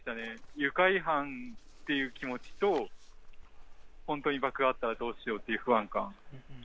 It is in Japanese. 愉快犯っていう気持ちと、本当に爆破があったらどうしようという不安感。